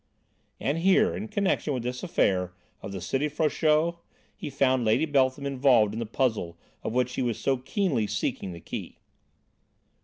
And here in connection with this affair of the Cité Frochot he found Lady Beltham involved in the puzzle of which he was so keenly seeking the key.